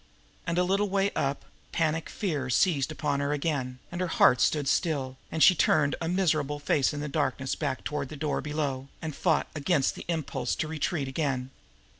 And a little way up, panic fear seized upon her again, and her heart stood still, and she turned a miserable face in the darkness back toward the door below, and fought against the impulse to retreat again.